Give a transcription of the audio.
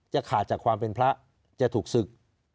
ขาดจากความเป็นพระจะถูกศึก